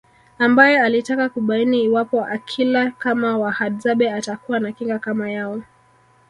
Ambae alitaka kubaini iwapo akila kama Wahadzabe atakuwa na kinga kama yao